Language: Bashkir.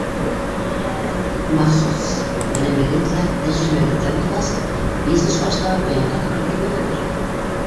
— Махсус белемегеҙ ҙә, тәжрибәгеҙ ҙә булғас, бизнес башлауы ҡыйынға тура килмәгәндер?